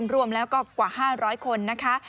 รวมแล้วก็กว่า๕๐๐คนนะคะ